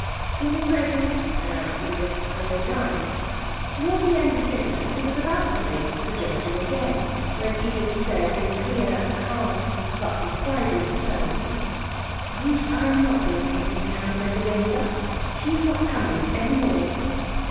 'Dinner's ready,' announced Edith, and they dined. Towards the end of dinner he was about to make the suggestion again, when Edith said in clear, calm but decided tones: 'Bruce, I am not going to take Miss Townsend away with us. She is not coming any more.'